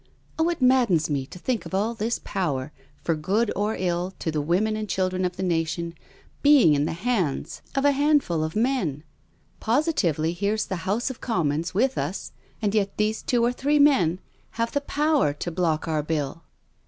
Oh, it maddens me to think of all this power, for good or ill to the women and children of the nation, being in the hands of a handful i82 NO SURRENDER of men. Positively here's the House of Commons with us, and yet these two or three men have the power to block our Bill."